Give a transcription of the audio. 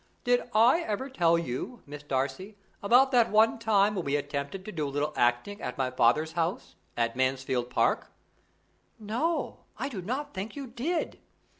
"Did I ever tell you, Miss Darcy, about that one time when we attempted to do a little acting at my father's house at Mansfield Park?" "No, I do not think you did."